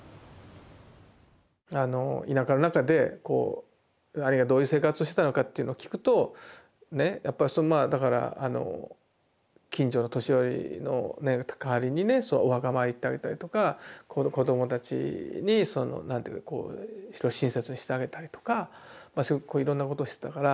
田舎の中で兄がどういう生活してたのかっていうのを聞くと近所の年寄りの代わりにねお墓参り行ってあげたりとか子どもたちに何ていうかこう親切にしてあげたりとかすごくいろんなことをしてたから。